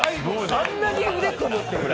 あんなに腕組むって。